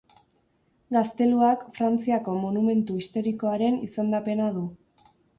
Gazteluak Frantziako Monumentu Historikoaren izendapena du.